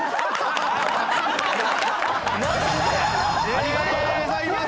ありがとうございます。